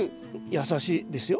優しいですよ。